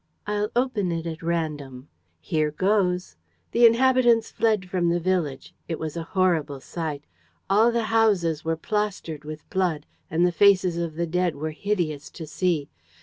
I'll open it at random. Here goes. 'The inhabitants fled from the village. It was a horrible sight. All the houses were plastered with blood; and the faces of the dead were hideous to see.